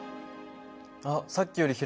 あっさっきより開いた。